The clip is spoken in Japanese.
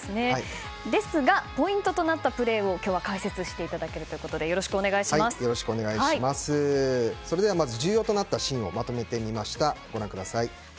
ですが、ポイントとなったプレーを解説していただけるということでそれではまず重要となったシーンをまとめてみました。